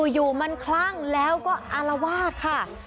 อยู่มันคลั่งแล้วก็อารวาสค่ะ